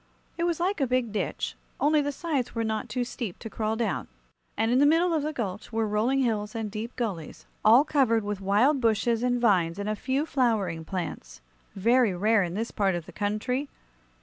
It was like a big ditch, only the sides were not too steep to crawl down; and in the middle of the gulch were rolling hills and deep gullies, all covered with wild bushes and vines and a few flowering plants very rare in this part of the country.